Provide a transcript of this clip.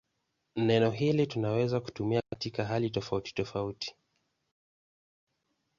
Neno hili tunaweza kutumia katika hali tofautitofauti.